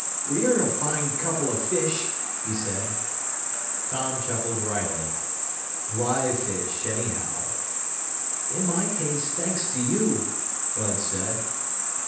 "We're a fine couple of fish," he said. Tom chuckled wryly. "Live fish, anyhow." "In my case, thanks to you," Bud said.